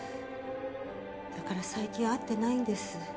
だから最近会ってないんです。